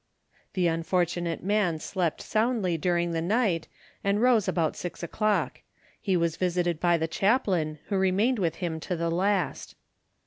The unfortunate man slept soundly during the night, and rose about six o'clock. He was visited by the chaplain, who remained with him to the last.